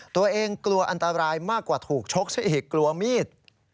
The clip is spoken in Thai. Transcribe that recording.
ตัวเองกลัวอันตรายมากกว่าถูกชกซะอีกกลัวมีด